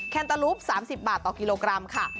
แนเตอร์ลูป๓๐บาทต่อกิโลกรัมค่ะ